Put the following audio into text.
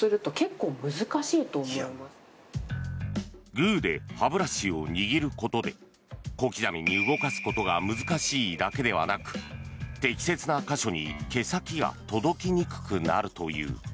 グーで歯ブラシを握ることで小刻みに動かすことが難しいだけではなく適切な箇所に毛先が届きにくくなるという。